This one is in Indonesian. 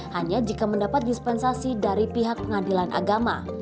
hanya jika mendapat dispensasi dari pihak pengadilan agama